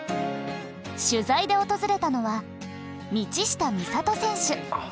取材で訪れたのは道下美里選手。